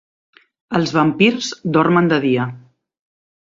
Els vampirs dormen de dia.